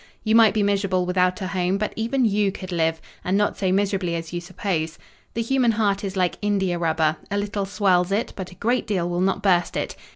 You might be miserable without a home, but even you could live; and not so miserably as you suppose. The human heart is like india rubber; a little swells it, but a great deal will not burst it.